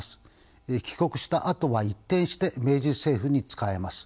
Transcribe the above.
帰国したあとは一転して明治政府に仕えます。